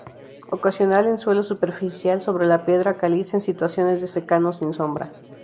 Ocasional en suelo superficial sobre la piedra caliza en situaciones de secano sin sombra.